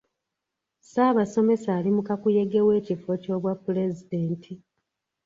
Ssaabasomesa ali mu kakuyege w'ekifo ky'obwa pulezidenti.